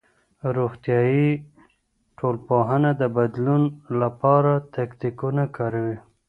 روغتيائي ټولنپوهنه د بدلون لپاره تکتيکونه کاروي.